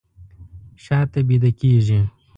شاته بیده کیږي